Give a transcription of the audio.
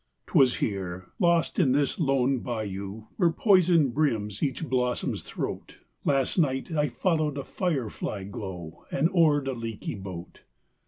'Twas here, lost in this lone bayou, Where poison brims each blossom's throat, Last night I followed a firefly glow, And oared a leaky boat.